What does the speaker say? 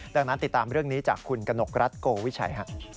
ดังนั้นติดตามเรื่องนี้จากคุณกนกรัฐโกวิชัย